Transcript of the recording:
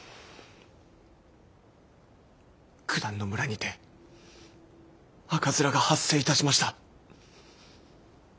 くだんの村にて赤面が発生いたしました！